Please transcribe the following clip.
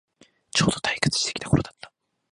ちょうど退屈してきた頃だった